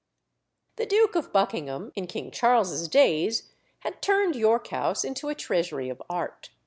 The Duke of Buckingham, in King Charles's days, had turned York House into a treasury of art.